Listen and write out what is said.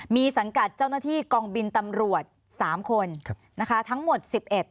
มีสังกัดเจ้าหน้าที่กองบินตำรวจ๓คนนะคะทั้งหมด๑๑